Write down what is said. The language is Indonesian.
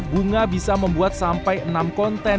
bunga bisa membuat sampai enam konten